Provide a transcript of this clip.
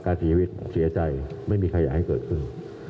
เสียชีวิตเสียใจไม่มีใครอยากให้เกิดขึ้น